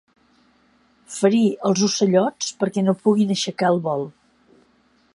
Ferir els ocellots perquè no puguin aixecar el vol.